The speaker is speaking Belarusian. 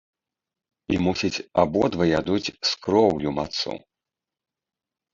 І, мусіць, абодва ядуць з кроўю мацу!